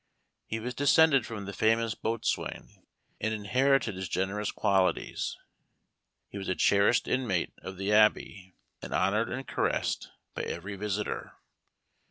He was descended from the famous Boatswain, and inherited his generous qualities. He was a cherished inmate of the Abbey, and honored and caressed by every visitor.